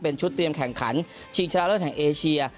เป็นชุดเตรียมแข่งขันชิงชนะเลิศแห่งเอเชีย